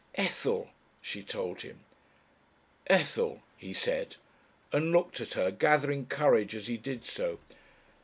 "Ethel," she told him. "Ethel," he said and looked at her, gathering courage as he did so.